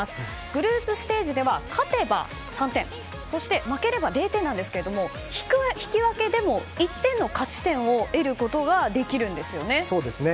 グループステージでは勝てば３点そして、負ければ０点ですが引き分けでも１点の勝ち点を得ることができるんですよね。